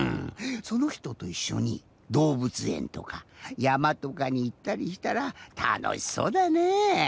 そのひとといっしょにどうぶつえんとかやまとかにいったりしたらたのしそうだね。